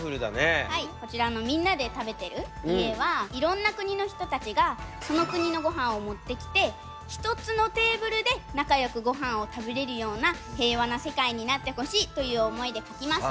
こちらのみんなで食べてる家はいろんな国の人たちがその国のごはんを持ってきて１つのテーブルで仲よくごはんを食べれるような平和な世界になってほしいという思いで描きました。